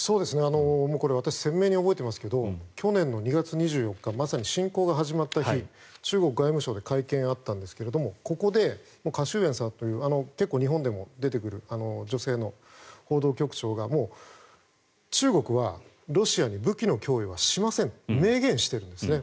私鮮明に覚えてますけど去年の２月２４日、まさに侵攻が始まった日中国外務省で会見があったんですがここでカ・シュンエイさんという結構、日本でも出てくる女性の報道局長が中国はロシアに武器の供与はしませんと明言しているんですね。